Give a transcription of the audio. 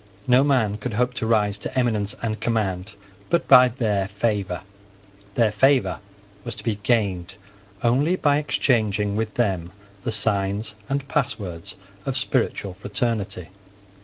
No man could hope to rise to eminence and command but by their favour. Their favour was to be gained only by exchanging with them the signs and passwords of spiritual fraternity.